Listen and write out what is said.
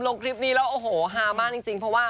ลงคลิปนี้แล้วโอ้โหฮามากจริง